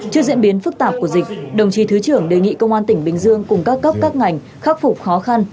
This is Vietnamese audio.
trước diễn biến phức tạp của dịch đồng chí thứ trưởng đề nghị công an tỉnh bình dương cùng các cấp các ngành khắc phục khó khăn